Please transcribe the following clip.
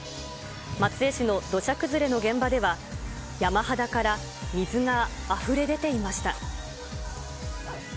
松江市の土砂崩れの現場では、山肌から水があふれ出ていました。